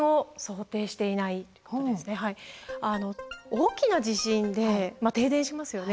大きな地震で停電しますよね。